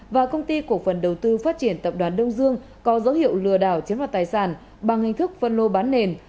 và công ty cổ phần đầu tư phát triển tập đoàn đông dương có dấu hiệu lừa đảo chiếm đoạt tài sản bằng hình thức phân lô bán nền